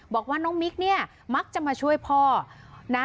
บอกว่าน้องมิ๊กเนี่ยมักจะมาช่วยพ่อนะ